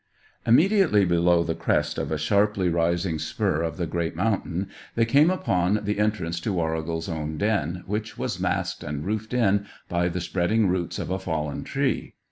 Immediately below the crest of a sharply rising spur of the great mountain they came upon the entrance to Warrigal's own den, which was masked and roofed in by the spreading roots of a fallen tree.